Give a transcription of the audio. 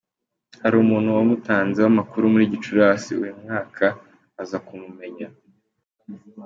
Hari umuntu wamutanzeho amakuru muri Gicurasi uyu mwaka aza kumumenya.